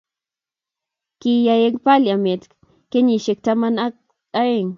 Kiyay eng paliament kenyisiek taman ak aeng